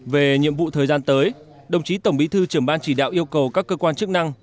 về nhiệm vụ thời gian tới đồng chí tổng bí thư trưởng ban chỉ đạo yêu cầu các cơ quan chức năng